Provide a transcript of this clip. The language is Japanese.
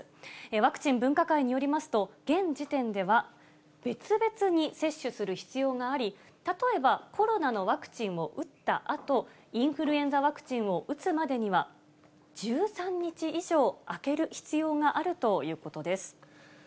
ワクチン分科会によりますと、現時点では、別々に接種する必要があり、例えばコロナのワクチンを打ったあと、インフルエンザワクチンを打つまでには、１３日以上空ける必要があるということです。